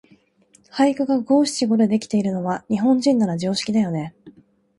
俳句が五七五でできているのは、日本人なら常識だよね。